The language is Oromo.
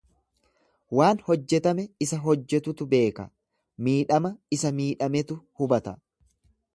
Waan hojjetame isa hojjetetu beeka, miidhama isa miidhametu hubata.